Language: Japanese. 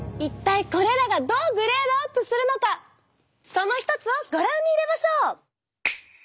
その一つをご覧に入れましょう！